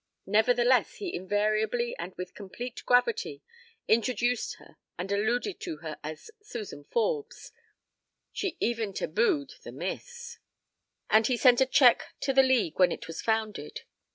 Nevertheless, he invariably, and with complete gravity, introduced her and alluded to her as Suzan Forbes (she even tabued the Miss), and he sent a cheque to the League when it was founded.